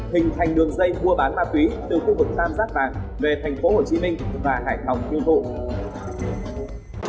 hình thành đường dây mua bán ma túy từ khu vực tam giác bạc về thành phố hồ chí minh và hải phòng tiêu thụ